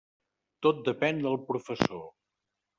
Tot depén del professor.